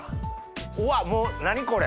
うわもう何これ！